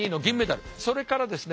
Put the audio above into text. それからですね